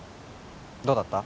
どうだった？